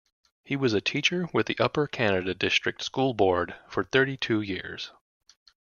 He was a teacher with the Upper Canada District School Board for thirty-two years.